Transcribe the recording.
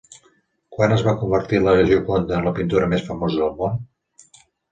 Quan es va convertir La Gioconda en la pintura més famosa del món?